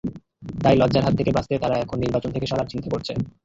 তাই লজ্জার হাত থেকে বাঁচতে তারা এখন নির্বাচন থেকে সরার চিন্তা করছে।